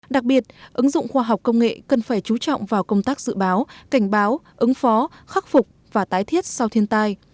đặc biệt ứng dụng khoa học công nghệ cần phải chú trọng vào công tác dự báo cảnh báo ứng phó khắc phục và tái thiết sau thiên tai